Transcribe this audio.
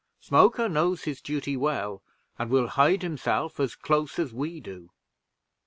Smoker knows his duty well, and will hide himself as close as we do.